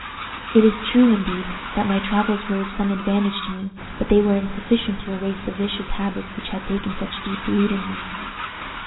"It is true, indeed, that my travels were of some advantage to me, but they were insufficient to erase the vicious habits which had taken such deep root in me.